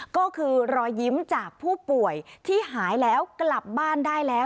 ก็คือรอยยิ้มจากผู้ป่วยที่หายแล้วกลับบ้านได้แล้ว